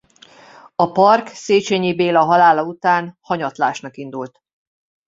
A park Széchenyi Béla halála után hanyatlásnak indult.